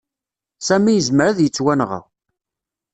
Sami yezmer ad yettwanɣa.